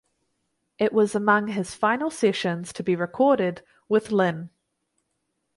It was among his final sessions to be recorded with Lynn.